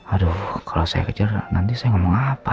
aduh kalau saya kejar nanti saya ngomong apa